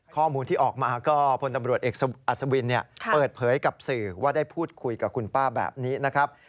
ข้อมูลที่ออกมาก็พลตำรวจเอกอัศวินเปิดเผยกับสื่อว่าได้พูดคุยกับคุณป้าแบบนี้นะครับ